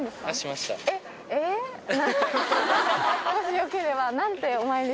もしよければ。